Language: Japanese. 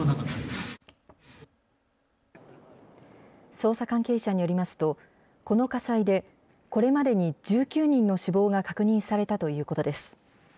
捜査関係者によりますと、この火災で、これまでに１９人の死亡が確認されたということです。